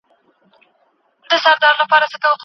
آس په ډېرې مېړانې سره د کوهي تیاره په رڼا بدله کړه.